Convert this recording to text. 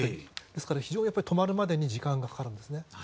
だから非常に止まるまで時間がかかるんですね。